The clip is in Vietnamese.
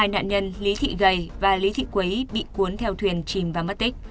hai nạn nhân lý thị gầy và lý thị quế bị cuốn theo thuyền chìm và mất tích